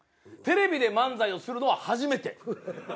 テレビで漫才をするのは初めて。